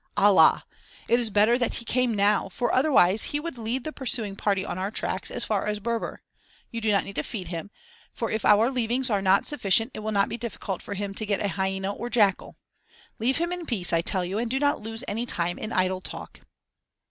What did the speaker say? Allah! It is better that he came now, for otherwise he would lead the pursuing party on our tracks as far as Berber. You do not need to feed him, for if our leavings are not sufficient it will not be difficult for him to get a hyena or jackal. Leave him in peace, I tell you, and do not lose any time in idle talk."